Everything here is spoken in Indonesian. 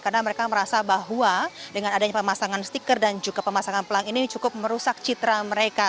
karena mereka merasa bahwa dengan adanya pemasangan stiker dan juga pemasangan pelang ini cukup merusak citra mereka